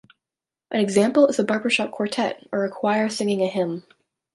An example is a barbershop quartet or a choir singing a hymn.